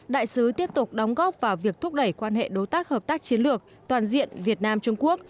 đại sứ tiếp tục đóng góp vào việc thúc đẩy quan hệ đối tác hợp tác chiến lược toàn diện việt nam trung quốc